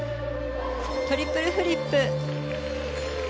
トリプルフリップ。